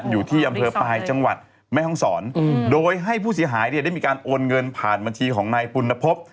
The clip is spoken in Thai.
อยู่ที่อำเภอปลายจังหวัดแม่ห้องศรโดยให้ผู้เสียหายเนี่ยได้มีการโอนเงินผ่านบัญชีของนายปุณภพ